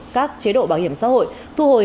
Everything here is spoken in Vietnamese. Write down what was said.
các chế độ bảo hiểm xã hội thu hồi